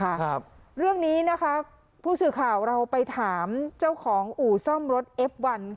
ครับเรื่องนี้นะคะผู้สื่อข่าวเราไปถามเจ้าของอู่ซ่อมรถเอฟวัน